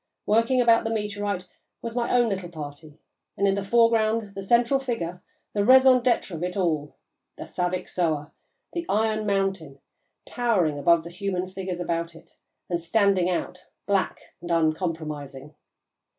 Working about the meteorite was my own little party, and, in the foreground, the central figure, the raison d'être of it all, the 'Saviksoah,' the 'Iron Mountain,' towering above the human figures about it and standing out, black and uncompromising.